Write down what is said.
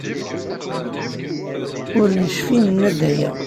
Ur necfi nenna-d aya.